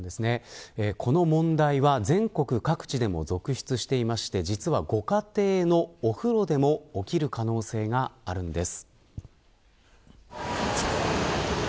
この問題は全国各地でも続出していまして実はご家庭のお風呂でも起きる可能性があるんです。